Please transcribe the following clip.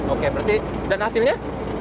oke berarti dan hasilnya